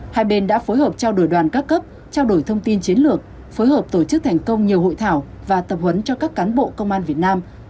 hai bên đã phối hợp trao đổi đoàn các cấp trao đổi thông tin chiến lược phối hợp tổ chức thành công nhiều hội thảo và tập huấn cho các cán bộ công an việt nam